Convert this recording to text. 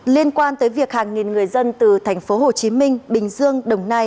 liên quan tới việc hàng nghìn người dân từ thành phố hồ chí minh bình dương đồng nai